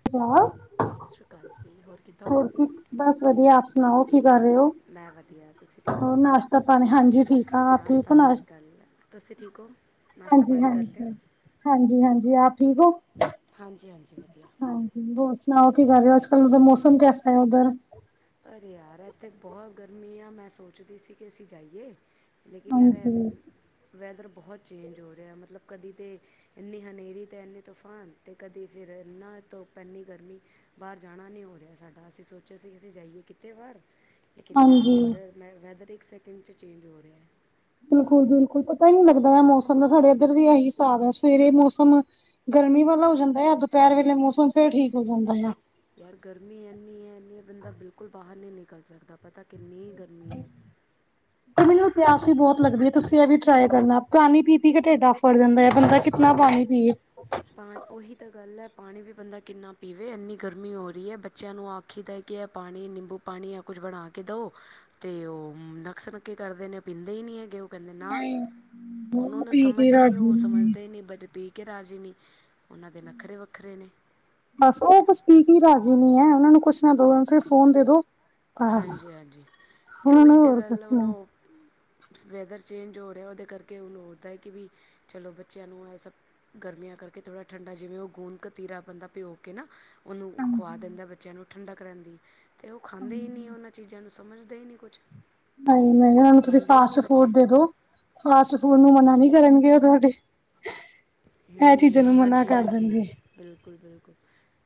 [unintelligible] ਸਤਿ ਸ਼੍ਰੀ ਅਕਾਲ ਜੀ ਹੋਰ ਕਿੱਦਾਂ ਹੋ। ਬਸ ਵਧੀਆ ਆਪ ਸੁਣਾਓ ਕੀ ਕਰ ਰਹੇ ਹੋ। ਮੈਂ ਵਧੀਆਤੁਸੀਂ ਠੀਕ ਹੋਰ ਹੋ ਨਾਸ਼ਤਾ ਪਾਣੀ ਹਾਂਜੀ ਠੀਕ ਆ ਆਪ ਠੀਕ ਨਾਸ਼ਤਾ- ਹੋ ਪਾਣੀ ਨਾਸ਼ ਕਰ ਲਿਆ ਤੁਸੀਂ ਠੀਕ ਹੋ। ਨਾਸ਼ਤਾ ਪਾਣੀ ਕਰ ਲਿਆ। ਹਾਂਜੀ-ਹਾਂਜੀ ਆਪ ਠੀਕ ਹੋ। ਹਾਂਜੀ-ਹਾਂਜੀ ਵਧੀਆ ਹਾਂਜੀ ਹੋਰ ਸੁਣਾਓ ਕੀ ਕਰ ਰਹੇ ਹੋ ਅੱਜ ਕਲ ਮ ਦਾ ਮੌਸਮ ਕੈਸਾ ਹੈ ਉੱਧਰ ਅਰੇ ਯਾਰ ਇੱਥੇ ਬਹੁਤ ਗਰਮੀ ਆ ਮੈਂ ਸੋਚਦੀ ਸੀ ਕਿ ਅਸੀਂ ਜਾਈਏ। ਲੇਕਿਨ ਯਾਰ ਇਹ ਹਾਂਜੀ ਵੇ ਵੈਦਰ ਬਹੁਤ ਚੇਂਜ ਹੋ ਰਿਹਾ ਮਤਲਬ ਕਦੀ ਤੇ ਇੰਨੀ ਹਨੇਰੀ ਤੇ ਇੰਨੇ ਤੂਫਾਨ ਤੇ ਕਦੀ ਫਿਰ ਇੰਨਾ ਧੁੱਪ ਇੰਨੀ ਗਰਮੀ ਬਾਹਰ ਜਾਣਾ ਨਹੀਂ ਹੋ ਰਿਹਾ ਸਾਡਾ ਅਸੀਂ ਸੋਚਿਆ ਸੀ। ਅਸੀਂ ਜਾਈਏ ਕਿਤੇ ਬਾਰ ਲੇਕਿਨ ਜਾਣ ਨਹੀਂ ਹਾਂਜੀ ਹੋ ਰਿਹਾ ਮੈਂ ਵੈਦਰ ਇੱਕ ਸੈਕਿੰਡ 'ਚ ਚੇਂਜ ਹੋ ਰਿਹਾ। ਬਿਲਕੁਲ-ਬਿਲਕੁਲ ਪਤਾ ਹੀ ਨੀ ਲੱਗਦਾ ਹੈ ਮੌਸਮ ਸਾਡੇ ਇੱਧਰ ਵੀ ਇਹੀ ਹਿਸਾਬ ਹੈ ਸਵੇਰੇ ਮੌਸਮ ਗਰਮੀ ਵਾਲਾ ਹੋ ਜਾਂਦਾ ਆ ਦੁਪਹਿਰ ਵੇਲੇ ਮੌਸਮ ਫਿਰ ਠੀਕ ਹੋ ਜਾਂਦਾ ਆ। ਯਾਰ ਗਰਮੀ ਏਨੀ ਹੈ ਏਨੀ ਬੰਦਾ ਬਿਲਕੁਲ ਬਾਹਰ ਨਹੀਂ ਨਿਕਲ ਸਕਦਾ ਪਤਾ ਕਿੰਨੀ ਗਰਮੀ ਹੈ। ਤੇ ਮੈਨੂੰ ਪਿਆਸ ਹੀ ਬਹੁਤ ਲੱਗਦੀ ਹੈ ਤੁਸੀਂ ਇਹ ਵੀ ਟਰਾਈ ਕਰਨਾ ਪਾਣੀ ਪੀ-ਪੀ ਕੇ ਢੇਡ ਆਫਰ ਜਾਂਦਾ ਹੈ ਬੰਦਾ ਕਿੰਨਾ ਪਾਣੀ ਪੀਏ। ਉਹੀ ਤਾਂ ਗੱਲ ਹੈ ਪਾਣੀ ਵੀ ਬੰਦਾ ਕਿੰਨਾ ਪੀਵੇ, ਇੰਨੀ ਗਰਮੀ ਹੋ ਰਹੀ ਹੈ ਬੱਚਿਆਂ ਨੂੰ ਆ ਕੀਤਾ ਕਿ ਪਾਣੀ ਨਿੰਬੂ ਪਾਣੀ ਜਾ ਕੁਝ ਬਣਾ ਕੇ ਦੋ ਤੇ ਨਕਸਰ ਪੱਕੇ ਕਰਦੇ ਨੇ। ਪੀਂਦੇ ਹੀ ਨਹੀਂ ਹੈਗੇ ਉਹ ਕਹਿੰਦੇ ਨਾ ਉਹਨੂੰ ਉਹ ਤਾਂ ਪੀ ਕੇ ਸਮਝ ਹੀ ਨਹੀਂ ਰਾਜੀ ਉਹ ਨੇ ਸਮਝਦੇ ਨਹੀਂ ਬ ਕਿ ਰਾਜੇ ਨਹੀਂ ਉਹਨਾਂ ਦੇ ਨੱਖਰੇ ਵੱਖਰੇ ਨੇ। ਬਸ ਉਹ ਕੁਛ ਪੀਕੇ ਰਾਜੀ ਨਹੀਂ ਐ ਉਹਨਾਂ ਨੂੰ ਕੁਛ ਨਾ ਦੋ ਸਿਫਰ ਫੋਨ ਦੇ ਦੋ। ਬਸ ਹਾਂਜੀ-ਹਾਂਜੀ ਅਤੇ ਉਹਨਾਂ ਨੂੰ ਉਹੀ ਤਾਂ ਹੋਰ ਕੁਛ ਗੱਲ ਹੁਨ ਨਹੀਂ ਉਹ ਵੈਦਰ ਚੇਂਜ ਹੋ ਰਿਹਾ ਉਹਦੇ ਕਰਕੇ ਉਹੁਨੂੰ ਹੋਦਾ ਕਿ ਵੀ ਚਲੋ ਬੱਚਿਆਂ ਨੂੰ ਇਹ ਸਭ ਗਰਮੀਆਂ ਕਰਕੇ ਥੋੜ੍ਹਾ ਠੰਡਾ ਜਿਵੇਂ ਉਹ ਗੂੰਦ ਕਤੀਰਾ ਬੰਦਾ ਭਿਓ ਕੇ ਨਾ। ਉਹਨੂੰ ਹਾਂਜੀ ਖੁਆ ਦਿੰਦਾ ਬੱਚਿਆਂ ਨੂੰ ਠੰਡਾ ਕਰਨ ਦੀ ਅਤੇ ਉਹ ਖ ਹਾਂਜੀ ਚੀਜ਼ਾਂ ਨੂੰ ਸਮਝਦੇ ਹੀ ਨਹੀਂ ਕੁਛ ਨਹੀਂ-ਨਹੀਂ ਉਹਨਾਂ ਨੂੰ ਤੁਸੀਂ ਮੰਨਦੇ ਹੀ ਨਹੀਂ ਫਾਸਟ ਬੱਚੇ ਫੂਡ ਦੇ ਦੋ। ਫਾਸਟ ਫੂਡ ਨੂੰ ਮਨਾ ਨੀ ਕਰਨਗੇ ਉਹ ਤੁਹਾਡੇ ਇਹ ਚੀਜ਼ਾਂ ਨੂੰ ਮਨਾ ਕਰ ਦਿੰਦੇ। ਬਿਲਕੁਲ -ਬਿਲਕੁਲ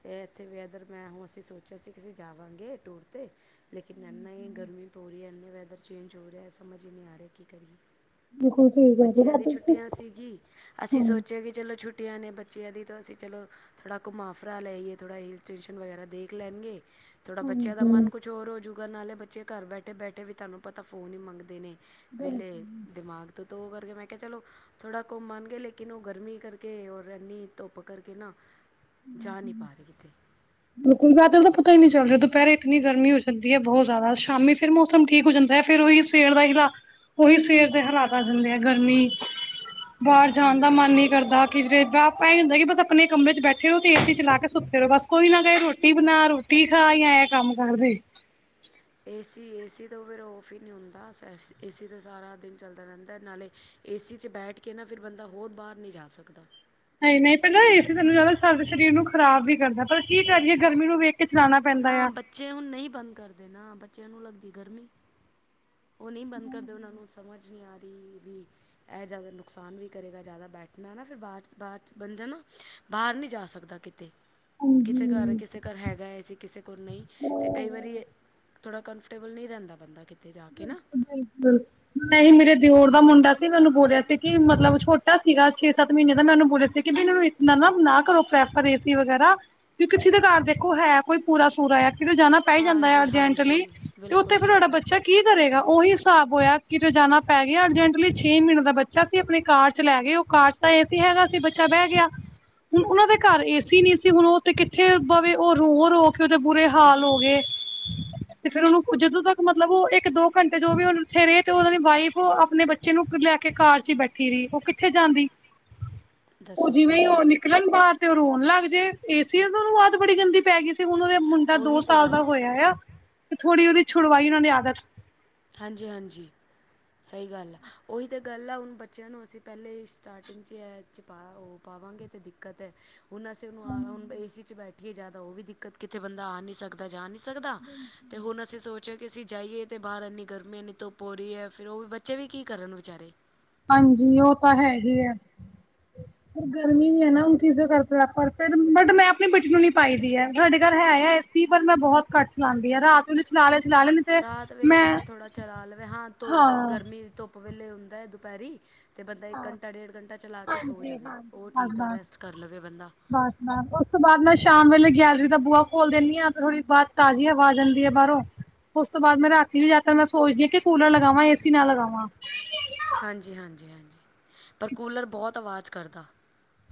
ਅਤੇ ਇੱਥੇ ਵੀ ਵੈਦਰ ਮੈਂ ਹੁਣ ਅਸੀਂ ਸੋਚਿਆ ਸੀ ਕਿ ਅਸੀਂ ਜਾਵਾਂਗੇ ਟੂਰ ਤੇ ਲੇਕਿਨ ਇੰਨਾ ਹੀ ਗਰਮੀ ਪੂਰੀ ਰਹੀ ਹੈ ਇੰਨਾੇ ਵੈਦਰ ਚੇਂਜ ਹੋ ਰਿਹਾ ਹੈ ਸਮਝ ਹੀ ਨਹੀਂ ਆ ਰਿਹਾ ਕੀ ਕਰੀਏ‌। ਬਿਲਕੁਲ ਸਹੀ ਕਹਿ ਰਹੇ ਬੱਚਿਆਂ ਦੀ ਬਾਦਲ ਜੀ ਛੁੱਟੀਆਂ ਸੀਗੀ ਅਸੀਂ ਹਮ ਸੋਚ ਕਿ ਚਲੋ ਛੁੱਟੀਆਂ ਨੇ ਬੱਚਿਆਂ ਦੀ ਤਾਂ ਅਸੀਂ ਚਲੋ। ਥੋੜਾ ਘੁਮਾਫਰਾ ਲੈਏ ਥੋੜਾ ਹਿੱਲ ਸਟੇਸ਼ਨ ਵਗੈਰਾ ਦੇਖ ਲੈਣਗੇ। ਥੋੜ੍ਹਾ ਬੱਚਿਆਂ ਦਾ ਹਾਂਜੀ ਮਨ ਕੁਛ ਹੋਰ ਹੋ ਜੂਗਾ ਨਾਲੇ ਬੱਚੇ ਘਰ ਬੈਠੇ-ਬੈਠੇ ਵੀ ਤੁਹਾਨੂੰ ਪਤਾ ਫੋਨ ਹੀ ਮੰਗਦੇ ਨੇ। ਵੇਲੇ ਬਿਲਕੁਲ ਦਿਮਾਗ ਤੋਂ ਤਾਂ ਉਹ ਕਰਕੇ ਮੈਂ ਕਿਹਾ ਚਲੋ ਥੋੜਾ ਘੁੰਮ ਆਂਣਗੇ ਲੇਕਿਨ ਉਹ ਗ ਗਰਮੀ ਕਰਕੇ ਏਨੀ ਔਰ ਧੁੱਪ ਕਰਕੇ ਨਾ ਜਾ ਨਹੀਂ ਪਾ ਰਹੇ ਕਿਤੇ ਬਿਲਕੁਲ ਬਾਦਲ ਤਾਂ ਪਤਾ ਹੀ ਨੀ ਚੱਲ ਰਿਹਾ ਦੁਪਹਿਰੇ ਇੰਨੀ ਗਰਮੀ ਹੋ ਜਾਂਦੀ ਹੈ ਬਹੁਤ ਜ਼ਿਆਦਾ ਸ਼ਾਮੀ ਫਿਰ ਮੌਸਮ ਠੀਕ ਹੋ ਜਾਂਦਾ ਹੈ ਫਿਰ ਉਹੀ ਸਿਰ ਵਾਈ ਦਾ ਉਹੀ ਸਵੇਰ ਦੇ ਹਾਲਾਤ ਆ ਜਾਂਦੇ ਆ ਗਰਮੀ। ਬਾਹਰ ਜਾਣ ਦਾ ਹਾਂ ਮਨ ਨਹੀਂ ਕਰਦਾ ਕਿਤੇ ਆਪਾ ਇਹ ਹੁੰਦਾ ਕਿ ਬਸ ਆਪਣੇ ਕਮਰੇ ਚ ਬੈਠੇ। ਕਿਉਂਕਿ ਏ ਸੀ ਚਲਾ ਕੇ ਸੁੱਤੇ ਰਹੋ ਬਸ। ਕੋਈ ਨਾ ਕਹੇ ਰੋਟੀ ਬਣਾ ਰੋਟੀ ਖਾ ਜਾਂ ਇਹਂ ਕੰਮ ਕਰਦੇ। ਏਸੀ ਏਸੀ ਤੋਂ ਫਿਰ ਔਫ ਹੀ ਨਹੀਂ ਹੁੰਦਾ। ਏ ਸੀ ਤੇ ਸਾਰਾ ਦਿਨ ਚੱਲਦਾ ਰਹਿੰਦਾ। ਨਾਲੇ ਏਸੀ ਚ ਬੈਠ ਕੇ ਨਾ ਫਿਰ ਬੰਦਾ ਹੋਰ ਬਾਹਰ ਨਹੀਂ ਜਾ ਸਕਦਾ। ਨਹੀਂ ਨਹੀਂ ਪਹਿਲਾਂ ਏਸੀ ਜ਼ਿਆਦਾ ਸਾਡੇ ਸਰੀਰ ਨੂੰ ਖ਼ਰਾਬ ਵੀ ਕਰਦਾ ਪਰ। ਕੀ ਕਰੀਏ ਉਹੀ ਗਰਮੀ ਨੂੰ ਵੇਖ ਕੇ ਚਲਾਉਣਾ ਪੈਂਦਾ ਨਾ ਆ। ਬੱਚੇ ਹੁਣ ਨਹੀਂ ਬੰਦ ਕਰਦੇ ਨਾ ਬੱਚਿਆਂ ਨੂੰ ਲੱਗਦੀ ਗਰਮੀ। ਉਹ ਨਹੀਂ ਬੰਦ ਕਰਦੇ ਉਹਨਾਂ ਨੂੰ ਸਮਝ ਨਹੀਂ ਆ ਰਹੀ ਵੀ। ਇਹ ਜ਼ਿਆਦਾ ਨੁਕਸਾਨ ਵੀ ਕਰੇਗਾ ਜਿਆਦਾ ਬੈਠਣਾ ਨਾ ਫਿਰ ਬਾਅਦ ਚ ਬਾਅਦ 'ਚ ਬੰਦਾ ਨੂੰ। ਬਾਹਰ ਨਹੀਂ ਜਾ ਸਕਦਾ ਕਿੱਤੇ। ਕਿਸੇ ਘਰ ਹਾਂਜੀ ਕਿਸੇ ਘਰ ਹੈਗਾ ਏ ਸੀ ਕਿਸੇ ਕੋਲ ਨਹੀਂ ਤੇ ਕਈ ਵਾਰੀ। ਥੋੜਾ ਕੰਫਰਟੇਬਲ ਨਹੀਂ ਰਹਿੰਦਾ ਬੰਦਾ ਕਿੱਤੇ ਜਾਂ ਕੇ। ਨਾ ਬਿਲਕੁਲ। ਨਹੀਂ ਮੇਰੇ ਦਿਓ ਦਾ ਮੁੰਡਾ ਸੀ। ਮੈਨੂੰ ਬੋਲਿਆ ਸੀ ਕਿ ਮਤਲਬ ਛੋਟਾ ਸੀਗਾ ਛੇ ਸੱਤ ਮਹੀਨੇ ਦਾ। ਮੈ ਉਹਨੂੰ ਬੋਲਿਆ ਸੀ ਵੀ ਮੈਨੂੰ। ਨਾ ਨਾ ਨਾ ਕਰੋ ਪ੍ਰੈਫਰ ਏਸੀ ਵਗੈਰਾ ਕਿ ਕਿਸੀ ਦੇ ਘਰ ਦੇਖੋ ਹੈ ਕੋਈ। ਪੂਰਾ ਸੂਰਾ ਆ ਕਿਤੇ ਜਾਣਾ ਪੈ ਹੀ ਜਾਂਦਾ ਆ ਹਾਂਜੀ ਅਰਜੈਂਟਲੀ ਹਾਂਜੀ ਤੇ ਉੱਥੇ ਬਿਲਕੁਲ ਫੇਰ ਤੁਹਾਡਾ ਬਿਲਕੁਲ ਬੱਚਾ। ਕੀ ਕਰੇਗਾ ਉਹੀ ਹਿਸਾਬ ਹੋਇਆ ਕਿਤੇ ਜਾਣਾ ਪੈ ਗਿਆ ਅਰਜੈਂਟਲੀ ਛੇ ਮਹੀਨੇ ਦਾ ਬੱਚਾ। ਆਪਣੇ ਕਾਰ ਚ ਲੈ ਗਏ ਉਹ ਕਾਰ ਚ ਤਾਂ ਏ ਸੀ ਹੈਗਾ ਸੀ ਬੱਚਾ ਬਹਿ ਗਿਆ। ਹੁਣ ਉਹਨਾਂ ਦੇ ਘਰ ਏਸੀ ਨਹੀਂ ਸੀ ਹੁਣ ਉਹ ਤੇ ਕਿੱਥੇ ਬਵੇ। ਉਹ ਰੋ ਰੋ ਉਹਦੇ ਬੁਰੇ ਹਾਲ ਹੋ ਦੱਸੋ ਗਏ ਤੇ ਫੇਰ ਉਹਨੂੰ ਜਦੋਂ ਤੱਕ ਮਤਲਬ ਉਹ ਇੱਕ ਦੋ ਘੰਟੇ ਜੋ ਵੀ ਉਹਨੂੰ। ਇੱਥੇ ਰਹੇ ਤੇ ਉਹ ਦੀ ਵਾਈਫ ਆਪਣੇ ਬੱਚੇ। ਬੱਚੇ ਨੂੰ ਲੈ ਕੇ ਕਾਰ ਚ ਬੈਠੀ ਰਹੀ ਉਹ ਕਿੱਥੇ ਜਾਂਦੀ। ਉਹ ਦੱਸੋ ਜਿਵੇਂ ਹੀ ਉਹ ਫਿਰ ਬਾਹਰ ਤੇ ਉਹ ਰੋਣ ਲੱਗ ਜੇ ਏਸੀ ਉਹਨੂੰ ਆਦਤ ਬੜੀ ਗੰਦੀ ਪੈ ਗਈ। ਤੇ ਹੁਣ ਉਹਦਾ ਮੁੰਡਾ ਦੋ ਉਹੀ ਤਾਂ ਸਾਲ ਦਾ ਗੱਲ ਹੋਇਆ ਆ ਤੇ ਥੋੜ੍ਹੀ ਉਹਦੀ ਛੁਡਵਾਈ ਉਹਨਾਂ ਨੇ ਆਦਤ। ਹਾਂਜੀ, ਹਾਂਜੀ। ਸਹੀ ਗੱਲ ਆ ਉਹੀ ਤਾਂ ਗੱਲ ਆ ਹੁਣ ਬੱਚਿਆਂ ਨੂੰ ਅਸੀਂ ਪਹਿਲੇ ਹੀ ਸਟਾਰਟਿੰਗ 'ਚ ਇਹ। ਵਿੱਚ ਪਾ ਉਹ ਪਾਵਾਂਗੇ ਅਤੇ ਦਿੱਕਤ ਹੈ। ਹੁਣ ਅਸੀਂ ਉਹਨੂੰ ਹੁਣ ਏਸੀ ਵਿਚ ਬੈਠੀਏ ਜ਼ਿਆਦਾ, ਉਹ ਵੀ ਦਿੱਕਤ ਕਿਤੇ ਬੰਦਾ ਆ ਨਹੀਂ ਸਕਦਾ। ਜਾ ਨਹੀ ਸਕਦਾ ਤੇ ਹੁਣ ਅਸੀ ਸੋਚਦੇ ਕਿ ਅਸੀਂ ਜਾਈਏ ਬਾਹਰ ਇਨ੍ਹੀ। ਗਰਮੀ ਇਨੀ ਧੁੱਪ ਹੋ ਰਹੀ ਹੈ ਫਿਰ ਉਹ ਵੀ ਬੱਚੇ ਵੀ ਕੀ ਕਰਨ ਵਿਚਾਰੇ। ਹਾਂਜੀ, ਉਹ ਤਾਂ ਹੈਗੀ ਆ ਗਰਮੀ ਉਹੀ ਤਾਂ ਵਿੱਚ ਨਾ। ਬਟ ਮੈਂ ਆਪਣੀ ਬਿੱਟੀ ਨੂੰ ਨੀ ਪਾਈ ਦੀ ਹੈ ਸਾਡੇ ਘਰ ਹੈ ਆ ਏ ਸੀ ਪਰ ਮੈਂ ਬਹੁਤ ਘੱਟ। ਚਲਾਉਂਦੀ ਆ ਰਾਤ ਨੂੰ। ਸਾਰੇ ਚਲਾ। ਲੈ ਨਹੀਂ ਤੇ ਰਾਤ ਵੇਲੇ ਮੈਂ ਬੰਦਾ ਥੋੜ੍ਹਾ ਚਲਾ ਲਵੇ ਹਾਂ ਤੋ ਹਾਂ ਗਰਮੀ। ਧੁੱਪ ਵੇਲੇ ਹੁੰਦਾ ਹੈ ਦੁਪਹਿਰੀ। ਅਤੇ ਬੰਦਾ ਇੱਕ ਹਾਂ ਘੰਟਾ ਡੇਢ ਘੰਟਾ ਚਲਾ ਕੇ ਸੋ ਜਾਵੇ ਉਹ ਬਸ ਠੀਕ ਆ ਬਸ ਰੈਸਟ ਕਰ ਲਵੇ ਬੰਦਾ। ਬਸ ਮੈਮ ਉਸ ਤੋਂ ਬਾਅਦ ਮੈਂ ਸ਼ਾਮ ਵੇਲੇ ਗੈਲਰੀ ਦਾ ਬੂਹਾ ਖੋਲ ਦਿੰਦੀ ਹਾਂ ਤੇ ਥੋੜੀ ਬਹੁਤ ਤਾਜ਼ੀ ਹਵਾ ਆ ਜਾਂਦੀ ਹੈ ਬਾਹਰੋਂ। ਉਸ ਤੋਂ ਬਾਅਦ ਮੈਂ ਰਾਤੀ ਵੀ ਜਿਆਦਾਤਰ ਮੈਂ ਸੋਚਦੀ ਹਾਂ ਕਿ ਕੂਲਰ ਲਗਾਵਾਂ ਏਸੀ ਨਾ ਲਗਾਵਾਂ। ਹਾਂਜੀ ਹਾਂਜੀ ਹਾਂਜੀ ਪਰ ਕੂਲਰ ਬਹੁਤ ਆਵਾਜ਼ ਕਰਦਾ।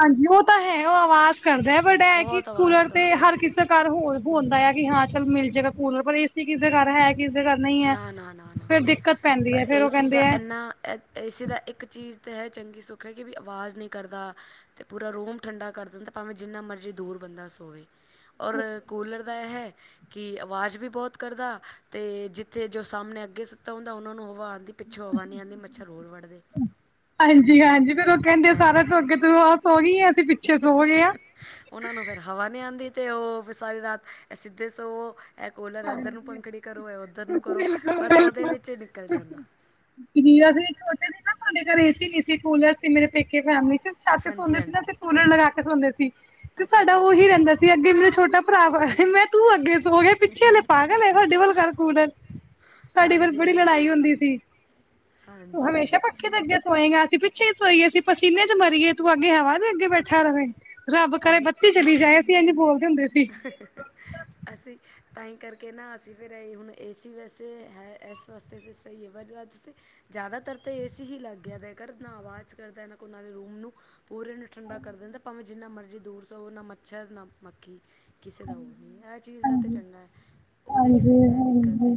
ਹਾਂਜੀ ਉਹ ਤਾਂ ਹੈ ਉਹ ਆਵਾਜ਼ ਕਰਦਾ ਬਟ ਇਹ ਕਿ ਬਹੁਤ ਆਵਾਜ਼ ਕੂਲਰ ਤੇ ਕਰਦਾ ਹਰ ਕਿਸੇ। ਘਰ ਹੋਰ ਹੁੰਦਾ ਆ ਕਿ ਹਾਂ ਚੱਲ ਮਿਲ ਜਾਏਗਾ ਕੂਲਰ ਪਰ ਏ ਸੀ ਕਿਸ ਦੇ ਘਰ ਹੈ। ਕਿਸੇ ਦੇ ਘਰ ਨਹੀਂ। ਹੈ ਨਾ, ਨਾ, ਨਾ, ਨਾ ਫਿਰ ਦਿੱਕਤ ਪੈਂਦੀ ਪਰ ਹੈ ਫਿਰ ਉਹ ਏਸੀ ਕਹਿੰਦੇ ਦਾ ਹੈ ਇੰਨਾ। ਏਸੀ ਦਾ ਇੱਕ ਚੀਜ਼ ਤਾਂ ਹੈ ਚੰਗੀ ਸੁੱਖ ਹੈ ਕਿ ਵੀ ਆਵਾਜ਼ ਨਹੀਂ ਕਰਦਾ ਅਤੇ ਪੂਰਾ ਰੂਮ ਠੰਡਾ ਕਰ ਦਿੰਦਾ। ਭਾਵੇਂ ਜਿੰਨਾ ਮਰਜ਼ੀ ਦੂਰ ਬੰਦਾ ਸੋਵੇ। ਔਰ ਕੂਲਰ ਦਾ ਇਹ ਹੈ ਕਿ ਅਵਾਜ਼ ਵੀ ਬਹੁਤ ਕਰਦਾ। ਅਤੇ ਜਿ ਤੇ ਜੋ ਸਾਹਮਣੇ ਅੱਗੇ ਸੁੱਤਾ ਹੁੰਦਾ ਉਹਨਾਂ ਨੂੰ ਹਵਾ ਆਉਂਦੀ। ਪਿੱਛੋਂ ਹਵਾ ਨੀ ਆਉਂਦੀ ਮੱਛਰ ਹੋਰ ਵਡਦੇ ਇਹ ਗੱਲ। [unintelligible] ਤ ਹੋ ਗਈ ਹੈ ਤੇ ਹ ਹ ਹ ਉਹਨਾਂ ਨੂੰ ਫਿਰ ਹਵਾ ਨਹੀਂ ਆਉਂਦੀ ਅਤੇ ਉਹ ਸਾਰੀ ਰਾਤ ਸਿੱਧੇ ਸੋ ਇਹ ਕੁਲਰ ਇੱਧਰ ਨੂੰ ਹਾਂਜੀ ਪੰਖੜੀ ਕਰੋ ਐ ਉੱਧਰ ਨੂੰ ਕਰੋ ਬਸ ਉਹਦੇ ਵਿੱਚ ਹੀ ਨਿਕਲ ਜਾਂਦਾ। ਅਸੀਂ ਛੋਟੇ ਸੀ ਨਾ ਸਾਡੇ ਘਰ ਏ ਸੀ ਨੀ ਸੀ, ਕੂਲਰ ਸੀ ਮੇਰੇ ਪੇਕੇ ਫੈਮਲੀ ਵਿਚ। ਛੱਤ ਤੇ ਹਾਂਜੀ ਸੋਂਦੇ ਸੀ ਹਾਂਜੀ ਤੇ ਕੂਲਰ ਲਗਾ ਕੇ ਸੌਂਦੇ ਸੀ। ਤੇ ਅੱਛਾ ਸਾਡਾ ਅੱਛਾ ਉਹੀ ਰਹਿੰਦਾ ਸੀ ਅੱਗੇ ਵੀ ਓਂ ਛੋਟਾ ਭਰਾ ਮੈਂ ਤੂੰ ਅੱਗੇ ਸੋਏ ਚਲ ਏ, ਪਾਗ਼ਲ ਹੈ ਸਾਡੇ ਵੱਲ ਕਰ ਕੂਲਰ ਸਾਡੇ ਵੱਲ ਬੜੀ ਲੜਾਈ ਹੁੰਦੀ ਸੀ। ਹਾਂਜ ਤੂੰ ਹਮੇਸ਼ਾ ਪੱਖੇ ਦੇ ਅੱਗੇ ਸੋਏਗਾ? ਅਸੀਂ ਪਿੱਛੇ ਈ ਸੋਈਏ ਅਸੀਂ ਪਸੀਨੇ ਚ ਮਰੀਏ ਤੂੰ ਅੱਗੇ ਹਵਾ ਦੇ ਅੱਗੇ ਬੈਠਾ ਰਹੇ। ਰੱਬ ਤਾਂ ਕਰੇ ਬੱਤੀ ਚਲੀ ਜਾਏ ਅਸੀ ਇਝ ਬੋਲਦੇ ਹੁੰਦੇ ਸੀ। ਹਾ ਹਾ ਹਾ। ਅਸੀਂ ਤਾਂ ਹੀ ਕਰਕੇ ਨਾ, ਅਸੀਂ ਫਿਰ ਏਈ ਹੁਣ ਏ ਸੀ ਵੈਸੇ ਹੈ ਇਸ ਵਾਸਤੇ ਅ ਸਹੀ ਹੈ ਵ ਜ਼ਿਆਦਾਤਰ ਤੇ ਏ ਸੀ ਹੀ ਲੱਗ ਗਿਆ ਰਿਆ ਕਰ ਨਾ ਆਵਾਜ਼ ਕਰਦਾ, ਨਾ ਉਹਨਾਂ ਦੇ ਰੂਮ ਨੂੰ ਪੂਰੇ ਨੂੰ ਠੰਡਾ ਕਰ ਦਿੰਦਾ ਭਾਵੇਂ ਜਿੰਨਾ ਮਰਜ਼ੀ ਦੂਰ ਸੋਵੋ ਨਾ ਮੱਛਰ ਨਾ ਮਖ ਕਿ ਕਿਸੇ ਦਾ ਉਹ ਨੀ ਇਹ ਚੀਜ਼ ਦਾ ਤਾਂ ਹਾਂਜੀ, ਚੰਗਾ ਹੈ ਉਹਦੇ ਚ ਹਾਂਜੀ, ਫੇਰ ਏ ਦਿੱਕਤ ਏ। ਹਾਂਜੀ।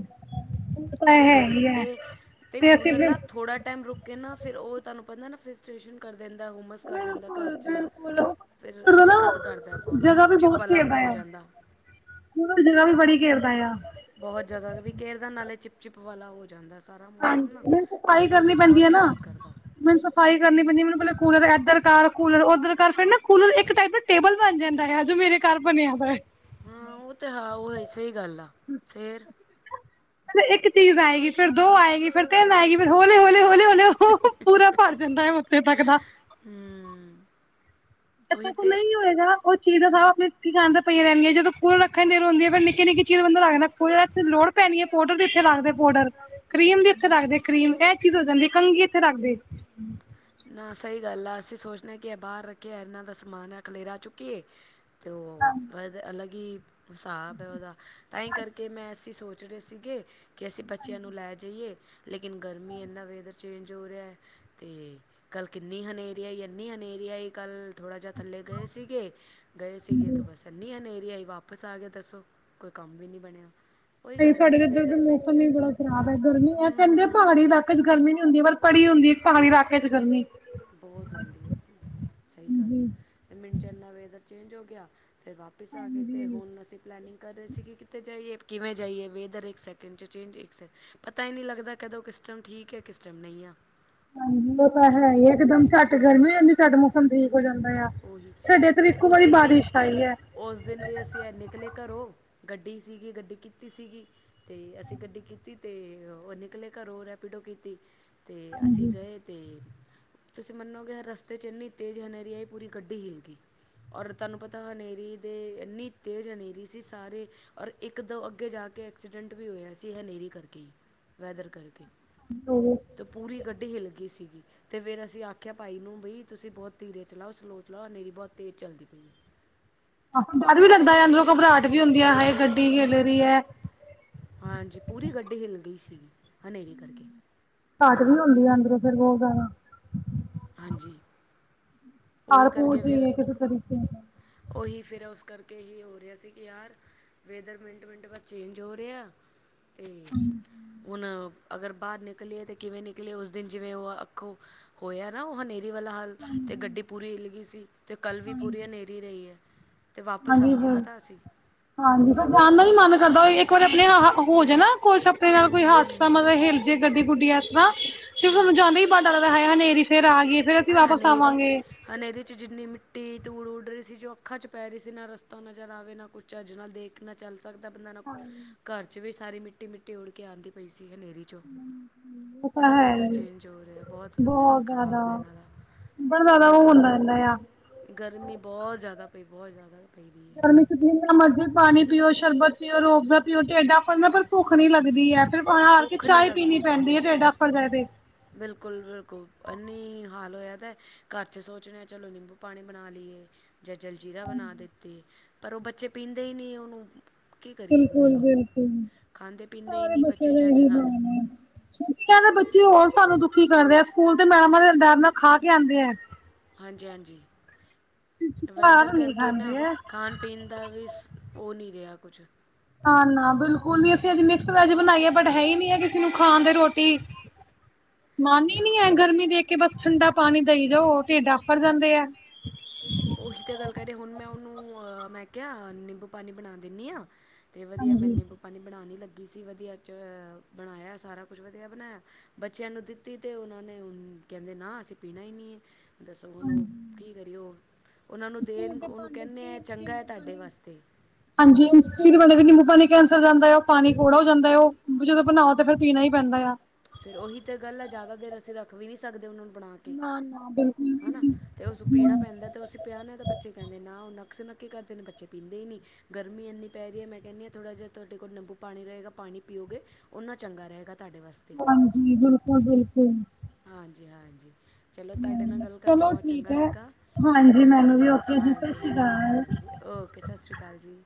ਉਹ ਤਾਂ ਤੇ ਹੈ ਗਰਮ ਹੀ ਹੈ ਤੇ, ਤੇ ਅਸੀਂ ਕੂਲਰ ਨਾ ਫਿਰ ਥੋੜਾ ਟਾਈਮ ਰੁਕ ਕਹਿੰਨਾ ਫਿਰ ਉਹ ਤੁਹਾਨੂੰ ਪਤਾ ਨਾ ਫਿਰਸਟੇਸ਼ਨ ਕਰ ਦਿੰਦਾ ਏ, ਉਮਸ ਕਰ ਦਿੰਦਾ ਏ ਘਰ ਬਿਲਕੁਲ ਚ। ਬਿਲਕੁਲ ਉਹ ਫਿਰ ਪਤਾ ਦਿੱਕਤ ਕਰਦੈ ਨਾ ਬੋਤ ਜਗ੍ਹਾ ਚਿਪ, ਚਿਪ ਵਾਲਾ ਹੋ ਜਾਂਦਾ। ਕੂਲਰ ਜਗ੍ਹਾ ਵੀ ਬੜੀ ਘੇਰਦਾ ਆ। ਬਹੁਤ ਜਗ੍ਹਾ ਵੀ ਘੇਰਦਾ ਨਾਲੇ ਚਿਪ, ਚਿਪ ਵਾਲਾ ਹੋ ਜਾਂਦਾ ਸ ਮੌਸਮ ਨਾ ਹਾਂਜੀ ਤੇ ਫਿਰ ਉਹਦੇ ਚ ਬਹੁਤ ਨਾ ਦਿੱਕਤ ਕਰਦਾ। ਮੈਨੂੰ ਸਫ਼ਾਈ ਕਰਨੀ ਪੈਂਦੀ ਹੈ ਮੈਨੂੰ ਪਹਿਲੇ ਕੂਲਰ ਇੱਧਰ ਕਰ, ਕੂਲਰ ਉੱਧਰ ਕਰ ਫਿਰ ਨਾ ਕੂਲਰ ਇੱਕ ਟਾਈਪ ਦੇ ਟੇਬਲ ਬਣ ਜਾਂਦਾ ਹੈ ਜੋ ਮੇਰੇ ਘਰ ਬਣਿਆ ਹੋਇਆ। ਹਾਂ, ਉਹ ਤੇ ਹਾਂ ਹੀ ਸਹੀ ਗੱਲ ਆ ਫੇਰ? ਪੈਲੇ, ਇੱਕ ਚੀਜ਼ ਆਏਗੀ, ਫਿਰ ਦੋ ਆਏਗੀ, ਫਿਰ ਤੇੰਨ ਆਏਗੀ, ਫਿਰ ਹੌਲੇ ਹੋਲੇ ਹੋਲੇ ਹੋ ਤੇ ਉਹ ਪੂਰਾ ਭਰ ਜਾਂਦਾ ਹੈ ਉੱਥੇ ਤੱਕ ਦਾ। ਹੁੰ। ਚੱਕਰ ਤੋਂ ਨਹੀਂ ਹੋਏਗਾ? [unintelligible] ਕੁਛ ਚੀਜਾਂ ਤਾ ਆਪਣੀ ਥਾਂ ਤੇ ਪਈ ਰਹਿਨਗੀਆਂ, ਜਦੋਂ ਕੂਲਰ ਰੱਖਣ ਦੀ ਦੇਰ ਹੁੰਦੀ ਫੇਰ ਨਿੱਕੀ, ਨਿੱਕੀ ਚੀਜ਼ ਅੰਦਰ ਰੱਖਦਾ ਏ। ਕੋਈ ਏਥੇ ਲੋੜ ਪੈਣੀ ਹੈ ਪਾਊਡਰ ਦੀ? ਇੱਥੇ ਰੱਖਦੇ ਪਾਊਡਰ। ਕਰੀਮ ਵੀ ਇੱਥੇ ਰੱਖਦੇ ਕਰੀਮ, ਇਹ ਚੀਜ਼ ਹੋ ਜਾਂਦੀ, ਕੰਘੀ ਇੱਥੇ ਰੱਖਦੇ। ਨਾ, ਸਹੀ ਗੱਲ ਆ ਅਸੀਂ ਸੋਚਦੇ ਕਿਂ ਬਾਹਰ ਰੱਖਿਆ ਇਹਨਾਂ ਦਾ ਸਮਾਨ ਹੈ ਖਲੇਰਾ ਚੁੱਕੀਏ। ਤੇ ਉਹ ਅਲੱਗ ਹੀ ਹਿਸਾਬ ਹੈ ਉਹਦਾ ਤਾਂ ਹੀ ਕਰਕੇ ਮੈਂ ਅਸੀਂ ਸੋਚ ਜਿਹੜੇ ਸੀਗੇ ਕਿ ਅਸੀਂ ਬੱਚਿਆਂ ਨੂੰ ਲੈ ਜਾਈਏ। ਲੇਕਿਨ, ਗਰਮੀ ਇੰਨਾ ਵੇਦਰ ਚੇਂਜ ਹੋ ਰਿਹਾ ਤੇ ਕੱਲ ਕਿੰਨੀ ਹਨੇਰੀ ਆਈ, ਐਨੀ ਹਨੇਰੀ ਆਈ ਕੱਲ। ਥੋੜ੍ਹਾ ਜਾ ਥੱਲੇ ਗਏ ਸੀਗੇ, ਗਏ ਸੀਗੇ ਤੋ ਬਸ ਐਨੀ ਹਨੇਰੀ ਆਈ ਵਾਪਸ ਆ ਗਿਆ ਦੱਸੋ? ਕੋਈ ਕੰਮ ਵੀ ਨਹੀਂ ਬਣਿਆ। ਉਹੀ ਸਈ, ਗੱਲ ਸਾਡੇ ਹੈ ਇਧਰ ਦਾ ਵੇਦਰਮੈਂਟ ਮੌਸਮ 'ਚ ਹੀ ਬੜਾ ਖਰਾਬ ਹੈ ਗਰਮੀ ਇਹ ਹੂੰ ਕਹਿੰਦੇ ਆ ਪਹਾੜੀ ਇਲਾਕੇ ਗਰਮੀ ਨੀ ਹੁੰਦੀ ਪਰ ਪੜੀ ਹੁੰਦੀ ਇ ਪਹਾੜੀ ਇਲਾਕੇ ਚ ਗਰਮੀ। ਬਹੁਤ ਹੁੰਦੀ ਹੈ, ਸਹੀ ਗੱਲ ਆ ਜੀ ਤੇ ਮਿੰਨ ਚੰ ਏਨਾ ਵੇਦਰ ਚੇਂਜ ਹੋ ਗਿਆ। ਫਿਰ ਵਾਪਿਸ ਆ ਗਏ ਤੇ ਹੁਣ ਅਸੀਂ ਪਲੈਨਿੰਗ ਕਰ ਰਹੇ ਸੀ ਕਿ ਕਿੱਥੇ ਜਾਈਏ? ਕਿਵੇਂ ਜਾਈਏ ਵੇਦਰ ਏਕ ਸੈਕਿੰਡ ਚ ਚੇਂਜ, ਏਕ ਸੈਕ ਪਤਾ ਈ ਨੀ ਲੱਗਦਾ ਕਦੋਂ ਕਿਸ ਟੈਮ ਠੀਕ ਐ, ਕਿਸ ਟੈਮ ਨਹੀਂ ਆ? ਹਾਂਜੀ, ਉਹ ਤਾਂ ਕੀ ਹੈ ਹੀ ਕਰੀਏ ਇਕਦਮ ਝੱਟ ਗਰਮੀ ਹੋ ਜਾਂਦੀ, ਝੱਟ ਮੌਸਮ ਠੀਕ ਹੋ ਜਾਂਦਾ ਆ। ਉਹੀ ਸਾਡੇ ਏਧਰ ਇੱਕੋ ਵਾਰੀ ਬਾਰਿਸ਼ ਆਈ ਹੈ। ਓਸ ਦਿਨ ਵੀ ਅਸੀਂ ਐ, ਨਿਕਲੇ ਘਰੋਂ ਗੱਡੀ ਸੀਗੀ, ਗੱਡੀ ਕੀਤੀ ਸੀਗੀ। ਤੇ ਅਸੀਂ ਗੱਡੀ ਕੀਤੀ ਤੇ ਉਹ ਨਿਕਲੇ ਘਰੋਂ ਰੈਪੀਡੋ ਕੀਤੀ ਤੇ ਅਸੀਂ ਗਏ। ਤੇ ਤੁਸੀਂ ਮੰਨੋਗੇ ਰਸਤੇ ਚ ਇੰਨੀ ਤੇਜ਼ ਹਨੇਰੀ ਆਈ, ਪੂਰੀ ਗੱਡੀ ਹਿੱਲ ਗਈ! ਔਰ ਤੁਹਾਨੂੰ ਪਤਾ ਹਨੇਰੀ ਦੇ ਇੰਨੀ ਤੇਜ਼ ਹਨੇਰੀ ਸੀ ਸਾਰੇ ਔਰ ਇੱਕ-ਦੋ ਅੱਗੇ ਜਾ ਕੇ ਐਕਸੀਡੈਂਟ ਵੀ ਹੋਇਆ ਸੀ ਹਨੇਰੀ ਕਰਕੇ ਵੈਦਰ ਕਰਕੇ। ਨੌ ਪੂਰੀ ਗੱਡੀ ਹੀ ਹਿੱਲ ਗਈ ਸੀ ਤੇ ਫਿਰ ਅਸੀਂ ਆਖਿਆ ਭਾਈ ਨੂੰ ਬਈ ਤੁਸੀਂ ਬਹੁਤ ਧੀਰੇ। ਚਲਾਓ ਸਲੋ ਚਲਾਓ ਹਨੇਰੀ ਬਹੁਤ ਤੇਜ਼ ਚਲਦੀ ਪਈ ਏ ਡਰ ਵੀ ਲੱਗਦਾ ਹੈ ਅੰਦਰੋਂ ਘਬਰਾਹਟ ਵੀ ਬਾਈ ਹੁੰਦੀ ਹੈ ਉਹੀ ਹਾਏ ਤੇ ਹੈ ਗੱਡੀ ਹਿਲ ਰਹੀ ਹੈ। ਹਾਂਜੀ, ਪੂਰੀ ਗੱਡੀ ਹਿੱਲ ਗਈ ਸੀਗੀ ਹਨੇਰੀ ਕਰਕੇ। ਘਾਟ ਬਣਾਉਂਦੀ ਅੰਦਰੋਂ ਫਿਰ ਉਹ ਗਾਵਾਂ ਹਾਂਜੀ। ਉਹੀ ਹਰ ਕਰਕੇ ਫਿਰ ਕੂਜੀ ਕਿਸੇ ਤਰੀਕੇ ਦਾ। ਉਹੀ ਫਿਰ ਉਸ ਕਰਕੇ ਹੀ ਹੋ ਰਿਹਾ ਸੀ ਕਿ ਯਾਰ। ਵੇਦਰ ਮਿੰਟ, ਮਿੰਟ ਬਾਅਦ ਚੇਂਜ ਹੋ ਰਿਹਾ ਤੇ ਹੁਣ। ਅਗਰ ਬਾਹਰ ਨਿਕਲੀਏ ਤਾਂ ਕਿਵੇਂ ਨਿਕਲੀਏ, ਉਸ ਦਿਨ ਜਿਵੇਂ ਉਹ ਅੱਖੋਂ ਹੋਇਆ ਨਾ ਉਹ ਹਨੇਰੀ ਵਾਲਾ ਹਾਲ। ਤੇ ਗੱਡੀ ਪੂਰੀ ਹਿੱਲ ਗਈ ਸੀ ਤੇ ਕੱਲ ਵੀ ਪੂਰੀ ਹਨੇਰੀ ਰਹੀ ਹੈ। ਅਤੇ ਵਾਪਸ ਹਨੀ ਆ ਗਏ ਬਿੱਲ ਪਤਾ ਅਸੀਂ ਹਾਂਜੀ, ਪਰ ਜਾਣ ਦਾ ਵੀ ਮਨ ਕਰਦਾ ਇੱਕ ਵਾਰੀ ਆਪਣੇ ਹੋ ਜਾ ਨਾ ਕੋਈ ਸੁਪਣੇ ਹੂੰ ਨਾਲ ਕੋਈ ਹੂੰ ਹੂੰ ਹਾਦਸਾ ਹੂੰ ਮਤਲਬ ਹਿਲ ਜੇ ਗੱਡੀ-ਗੁੱਡੀ ਐਕਸ ਤਾਂ ਵੀ ਹੂੰ ਜਾਂਦੇ ਹੀ [unintelligible] ਹਨੇਰੀ ਫਿਰ ਆ ਗਈ ਏ। ਏਂ ਹਨੇਰੀ। ਹਨੇਰੀ 'ਚ ਜਿੰਨੀ ਮਿੱਟੀ-ਧੂੜ ਉੱਡ ਰਹੀ ਸੀ ਜੋ ਅੱਖਾਂ 'ਚ ਪੈ ਰਹੀ ਸੀ ਨਾ ਰਸਤਾ ਨਜ਼ਰ ਆਵੇ ਨਾ ਕੁਛ ਚੱਜ ਨਾਲ ਦੇਖ ਨਾ ਚੱਲ ਸਕਦਾ ਬੰਦਾ ਨਾ ਘਰ 'ਚ ਵੀ ਸਾਰੀ ਮਿੱਟੀ-ਮਿੱਟੀ ਉਡ ਕੇ ਆਉਂਦੀ ਪਈ ਸੀ ਹਨੇਰੀ ਵਿੱਚੋਂ ਉਹ ਤਾਂ ਬੜਾ ਹੈ ਵੈਦਰ ਚੇਂਜ ਹੋ ਰਿਹਾ ਬਹੁਤ ਹਾਲ ਖ਼ਰਾਬ। ਹੈ ਹਾਂ ਇਹਨਾਂ ਦਾ ਬਸ ਜ਼ਿਆਦਾ ਸਮਝ ਉਹ ਹੀ ਨੀ- ਇੰਨਾ ਇੰਨਾ ਆ। ਗਰਮੀ ਬਹੁਤ ਜ਼ਿਆਦਾ ਪਈ ਬਹੁਤ ਜ਼ਿਆਦਾ ਪਈ ਦੀ। ਹੈ ਜਿੰਨਾ ਮਰਜ਼ੀ ਪਾਣੀ ਪੀਓ ਸ਼ਰਬਤ ਪੀਓ ਰੂਹ ਅਫਜਾ ਪੀਓ ਢੇਡਾ ਫਨਾ ਪਰ ਭੁੱਖ ਨੀ ਲੱਗਦੀ ਹੈ, ਫਿਰ ਉਹ ਹਾਰ ਕੇ ਭੁੱਖ ਚਾਹ ਨਹੀਂ ਹੀ ਪੀਣੀ ਲੱਗਦੀ ਪਈ ਪੈਂਦੀ ਹੈ ਡੇਢ਼ ਅਫਰ ਤੇ ਬਿਲਕੁਲ ਬਿਲਕੁਲ, ਇਨੀ ਹਾਲ ਹੋਇਆ ਪਿਆ ਘਰ 'ਚ! ਸੋਚ ਰੇ ਆ ਚਲੋ ਨਿੰਬੂ-ਪਾਣੀ ਬਣਾ ਲਈਏ। ਜਾਂ ਜਲਜੀਰਾ ਬਣਾ ਦਿੱਤੇ ਪਰ ਉਹ ਬੱਚੇ ਪੀਂਦੇ ਹੀ ਨਹੀਂ ਉਹਨੂੰ! ਕੀ ਕਰੀਏ ਹੁਣ ਬਿਲਕੁਲ, ਦੱਸੋ ਹੁਣ ਬਿਲਕੁਲ! ਖਾਂਦੇ ਪੀਂਦੇ ਹੀ ਸਾਰੇ ਨਹੀਂ ਬੱਚਿਆਂ ਬੱਚੇ ਦਾ ਚੱਜ ਇਹੀ ਨਾਲ ਹਾਲ ਹੈ। ਛੁਟੀਆਂ ਨੇ ਬੱਚੇ ਹੋਰ ਸਾਨੂੰ ਦੁਖੀ ਕਰਦੇ ਆ। ਸਕੂਲ ਤੇ ਮੈਡਮਾਂ ਦੇ ਡਰ ਨਾਲ ਖਾ ਕੇ ਆਉਂਦੇ ਆ। ਹਾਂਜੀ-ਹਾਂਜੀ, ਵੈਦਰ ਘਰ ਨੀ ਕਰਕੇ ਖਾਂਦੇ ਨਾ ਐ ਖਾਣ ਪੀਂਦਾ ਵੀ ਹੋ ਨਹੀਂ ਰਿਹਾ ਕੁਝ। ਨਾ ਨਾ ਬਿਲਕੁਲ ਨੀ ਅਸੀਂ ਅੱਜ ਮਿਕਸ ਵੈਜ ਬਣਾਈਏ ਬਟ ਹੈ ਹੀ ਨੀ ਹੈ। ਨੂੰ ਖਾਣ ਦੇ ਰੋਟੀ, ਮਾਨ ਹੀ ਨਾ ਨੀ ਹੈ ਗਰਮੀ ਦੇਖ ਕਿ ਬਸ ਠੰਡਾ ਪਾਣੀ ਦਈ ਜਾਓ ਢਿੱਡ ਆਕਰ ਜਾਂਦੇ ਆ। ਉਹੀ ਤਾਂ ਗੱਲ ਕਹਿ ਰੇ ਹੁਣ ਮੈਂ ਉਹਨੂੰ ਮੈਂ ਕਿਹਾ ਨਿੰਬੂ-ਪਾਣੀ ਬਣਾ ਦਿੰਦੀ ਹਾਂ। ਤੇ ਵਧੀਆ ਮੈਂ ਨਿੰਬੂ ਪਾਣੀ ਬਣਾਉਣ ਲੱਗੀ ਸੀ ਵਧੀਆ ਚ ਬਣਾਇਆ ਸਾਰਾ ਕੁਝ ਵਧੀਆ ਬਣਾਇਆ ਬੱਚਿਆਂ ਨੂੰ ਤੇ ਉਹਨਾਂ ਨੂੰ ਕਹਿੰਦੇ ਨਾ ਅਸੀਂ ਪੀਣਾ ਹੀ ਨਹੀਂ ਹੈ। ਦੱਸੋ ਉਹਨੂੰ ਕੀ ਕਰੀਓ? ਉਹਨਾਂ ਨੂੰ ਸਟੀਲ ਦੇਣ ਦੇ ਉਹਨੂੰ ਭਾਂਡੇ ਚ ਕਹਿੰਦੇ ਹੈ ਵੀ ਚੰਗਾ ਹੈ ਨਿੰਬੂ ਤੁਹਾਡੇ ਪਾਣੀ ਵਾਸਤੇ। ਹਾਂਜੀ, ਨਿੰਬੂ ਪਾਣੀ ਕੈਂਸਰ ਹੋ ਜਾਂਦਾ ਉਹ ਪਾਣੀ ਕੌੜਾ ਹੋ ਜਾਂਦਾ ਉਹ ਜਦੋਂ ਬਣਾਓ ਤੇ ਫਿਰ ਪੀਣਾ ਹੀ ਪੈਂਦਾ ਆ। ਫਿਰ ਉਹੀ ਤੇ ਗੱਲ ਹੈ ਜ਼ਿਆਦਾ ਦੇਰ ਅਸੀਂ ਰੱਖ ਵੀ ਨੀ ਸਕਦੇ ਉਹਨਾਂ ਨੂੰ ਬਣਾ ਕੇ ਨਾ ਨਾ ਬਿਲਕੁਲ ਵੀ ਹਨਾ? ਨੀ ਤੇ ਉਸਨੂੰ ਪੀਣਾ ਪੈਂਦਾ, ਤੇ ਉਸ ਕਿਹਨੇ ਤਾਂ ਬੱਚੇ ਕਹਿੰਦੇ ਨਾ ਉਹ ਨੱਕ-ਸੁਣੋਕੀ ਕਰਦੇ ਨੇ। ਬੱਚੇ ਪੀਂਦੇ ਹੀ ਨਹੀਂ ਗਰਮੀ ਇੰਨੀ ਪੈ ਰਹੀ ਮੈਂ ਕਹਿੰਦੀ ਹਾਂ ਥੋੜਾ ਜਿਹਾ ਤੁਹਾਡੇ ਕੋਲ ਨਿੰਬੂ-ਪਾਣੀ ਰਹੇਗਾ ਪਾਣੀ ਪੀਓਗੇ ਉਹਨਾਂ ਚੰਗਾ ਰਹੇਗਾ ਤੁਹਾਡੇ ਵਾਸਤੇ। ਹਾਂਜੀ, ਬਿਲਕੁਲ ਬਿਲਕੁਲ ਹਾਂਜੀ, ਹਾਂਜੀ। ਚਲੋ ਤੁਹਾਡੇ ਹਮ, ਨਾਲ ਗੱਲ ਕਰਕੇ ਚਲੋ ਬਹੁਤ ਠੀਕ ਚੰਗਾ ਹੈ ਲੱਗਾ। ਹਾਂਜੀ ਤੇ ਮੈਨੂੰ ਵੀ ਓਕੇ ਜੀ ਸਤਿ ਸ਼੍ਰੀ ਹਾਂਜੀ-ਹਾਂਜੀ, ਅਕਾਲ ਹਾਂਜੀ! ਓਕੇ, ਸਤਿ ਸ਼੍ਰੀ ਅਕਾਲ ਜੀ।